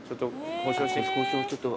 交渉をちょっと。